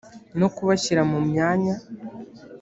no kubashyira mu myanya